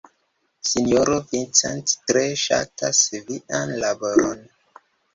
Sinjoro Vincent tre ŝatas vian laboron.